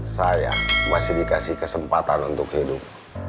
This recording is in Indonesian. saya masih dikasih kesempatan untuk hidup